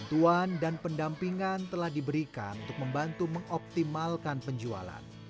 bantuan dan pendampingan telah diberikan untuk membantu mengoptimalkan penjualan